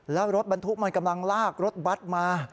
แล้วรถบรรทุกมันกำลังลากรถบัตรมา